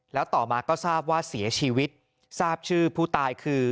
แล้วต่อมาก็ทราบว่าเสียชีวิตทราบชื่อผู้ตายคือ